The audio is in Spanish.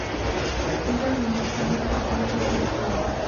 Es administrado por Parques de Victoria.